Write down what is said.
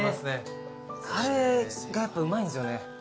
カレーがやっぱうまいんすよね。